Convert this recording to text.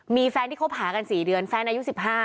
มีแฟนที่คบหากัน๔เดือนแฟนอายุ๑๕